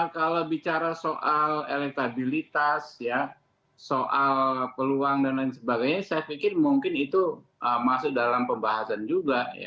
kalau bicara soal elektabilitas ya soal peluang dan lain sebagainya saya pikir mungkin itu masuk dalam pembahasan juga